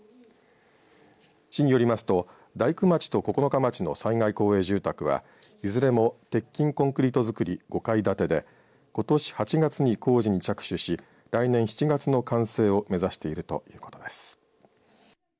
市によりますと大工町と九日町の災害公営住宅はいずれも鉄筋コンクリート造り５階建てでことし８月に工事に着手し来年７月の完成を目指しているということです。